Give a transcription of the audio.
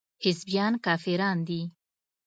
حزبيان کافران دي.